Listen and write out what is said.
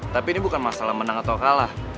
tapi ini bukan masalah menang atau kalah